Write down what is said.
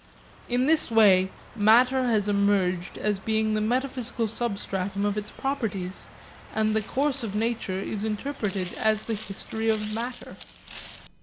In this way matter has emerged as being the metaphysical substratum of its properties, and the course of nature is interpreted as the history of matter.